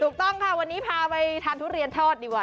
ถูกต้องค่ะวันนี้พาไปทานทุเรียนทอดดีกว่า